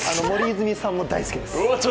森泉さんも大好きです。